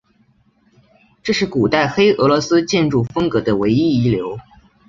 这是古代黑俄罗斯建筑风格的唯一遗留。